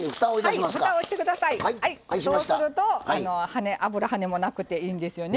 そうすると油はねもなくていいんですよね。